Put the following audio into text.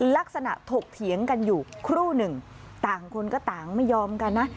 ถกเถียงกันอยู่ครู่หนึ่งต่างคนก็ต่างไม่ยอมกันนะ